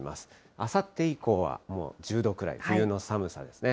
あさって以降はもう１０度くらい、冬の寒さですね。